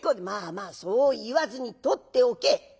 「まあまあそう言わずに取っておけ。